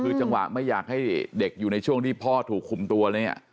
คือจังหวะไม่อยากให้เด็กอยู่ในช่วงที่พ่อถูกคุมตัวเลยเนี่ย